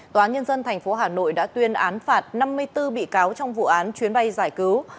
tòa nhân dân tp hà nội đã tuyên án phạt năm mươi bốn bị cáo trong vụ án chuyến bay giải cứu